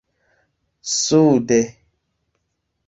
sude